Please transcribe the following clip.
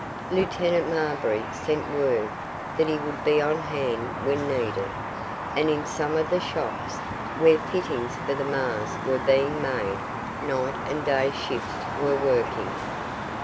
Lieutenant Marbury sent word that he would be on hand when needed, and in some of the shops, where fittings for the Mars were being made, night and day shifts were working.